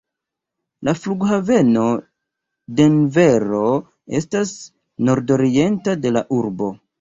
La Flughaveno Denvero estas nordorienta de la urbo.